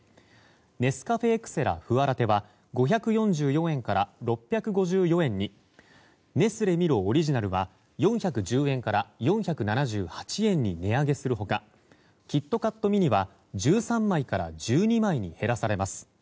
ネスカフェエクセラふわラテは５４４円から６５４円にネスレミロオリジナルは４１０円から４７８円に値上げする他キットカットミニは１３枚から１２枚に減らされます。